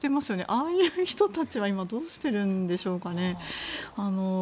ああいう人たちは今どうしてるんでしょうかね。